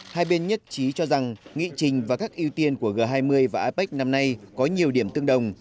hai bên nhất trí cho rằng nghị trình và các ưu tiên của g hai mươi và apec năm nay có nhiều điểm tương đồng